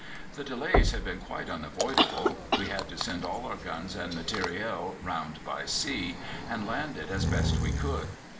"The delay had been quite unavoidable. We had to send all our guns and material round by sea, and land it as best we could.